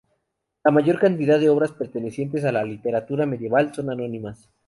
La mayor cantidad de obras pertenecientes a la literatura medieval son anónimas.